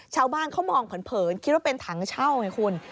ชาวบ้านเขามองเผินคิดว่าเป็นถังเช่าไงคุณ